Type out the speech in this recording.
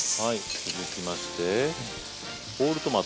続きましてホールトマト。